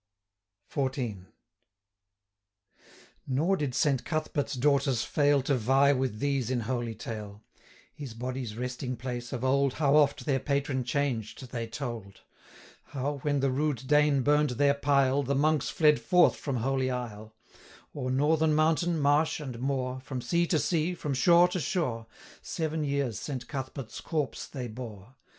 XIV. Nor did Saint Cuthbert's daughters fail, To vie with these in holy tale; 255 His body's resting place, of old, How oft their patron changed, they told; How, when the rude Dane burn'd their pile, The monks fled forth from Holy Isle; O'er northern mountain, marsh, and moor, 260 From sea to sea, from shore to shore, Seven years Saint Cuthbert's corpse they bore.